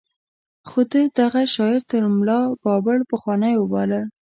خو ده دغه شاعر تر ملا بابړ پخوانۍ وباله.